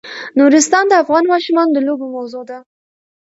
نورستان د افغان ماشومانو د لوبو موضوع ده.